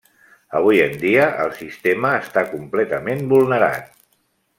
Avui en dia, el sistema està completament vulnerat.